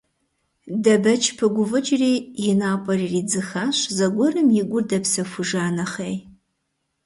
Дэбэч пыгуфӀыкӀри, и напӀэр иридзыхащ, зыгуэрым и гур дэпсэхужа нэхъей.